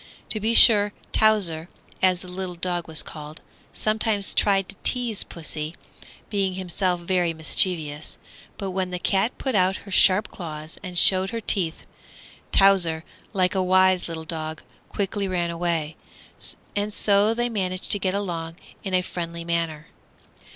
To be sure Towser, as the little dog was called, sometimes tried to tease pussy, being himself very mischievous; but when the cat put out her sharp claws and showed her teeth, Towser, like a wise little dog, quickly ran away, and so they managed to get along in a friendly manner.